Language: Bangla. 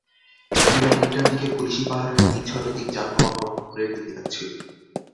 বেলা তিনটার দিকে পুলিশি পাহারায় তিন শতাধিক যানবাহন রংপুরের দিকে যাচ্ছিল।